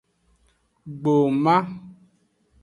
Gboma.